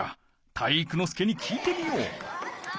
体育ノ介に聞いてみよう。